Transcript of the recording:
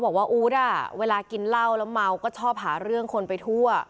อู๊ดอ่ะเวลากินเหล้าแล้วเมาก็ชอบหาเรื่องคนไปทั่ว